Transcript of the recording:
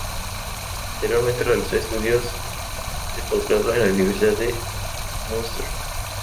Posteriormente realizó estudios de postgrado en la Universidad de Münster.